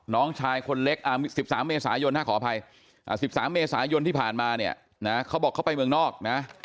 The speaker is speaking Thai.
น้องชายคนเล็ก๑๓เมษายนขออภัย๑๓เมษายนที่ผ่านมาเนี่ยนะเขาบอกเขาไปเมืองนอกนะ